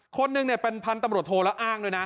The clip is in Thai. คนหนึ่งเป็นพันธุ์ตำรวจโทแล้วอ้างด้วยนะ